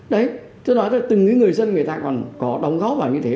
đấy tôi nói là từng cái người dân người ta còn có đóng góp vào như thế